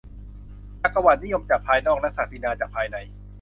จักรวรรดินิยมจากภายนอกและศักดินาจากภายใน